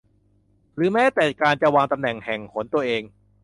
หรือแม้แต่การจะวางตำแหน่งแห่งหนตัวเอง